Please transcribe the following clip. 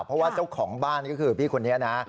เพราะว่าเจ้าของบ้านก็คือพี่คนนี้นะ